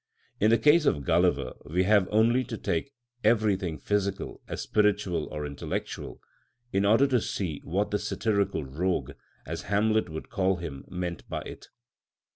In the case of Gulliver we have only to take everything physical as spiritual or intellectual, in order to see what the "satirical rogue," as Hamlet would call him, meant by it.